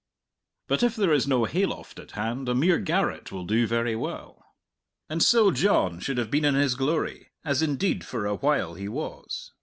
But if there is no hay loft at hand a mere garret will do very well. And so John should have been in his glory, as indeed for a while he was.